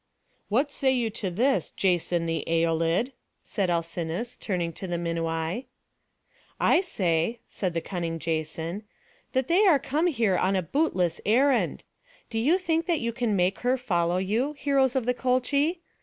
"What say you to this, Jason the Æolid?" said Alcinous, turning to the Minuai. "I say," said the cunning Jason, "that they are come here on a bootless errand. Do you think that you can make her follow you, heroes of the Colchi?